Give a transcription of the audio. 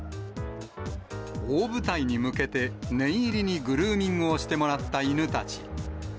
大舞台に向けて、念入りにグルーミングをしてもらった犬たち。